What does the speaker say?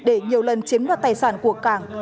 để nhiều lần chiếm đoạt tài sản của cảng